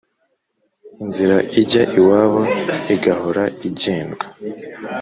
Inzira ijya iwabo igahora igendwa.